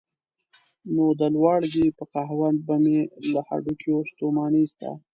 نو د لواړګي په قهوه به مې له هډوکیو ستوماني ایسته.